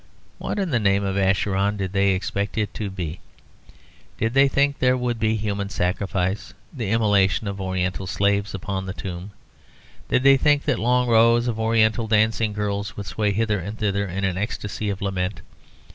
What, in the name of Acheron, did they expect it to be? Did they think there would be human sacrifice the immolation of Oriental slaves upon the tomb? Did they think that long rows of Oriental dancing girls would sway hither and thither in an ecstasy of lament?